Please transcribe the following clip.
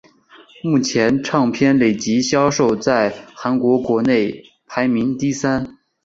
目前唱片累计销量在韩国国内排名第三。